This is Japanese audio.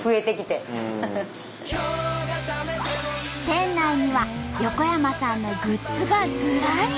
店内には横山さんのグッズがずらり！